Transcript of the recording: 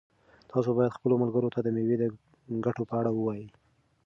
تاسو باید خپلو ملګرو ته د مېوو د ګټو په اړه ووایئ.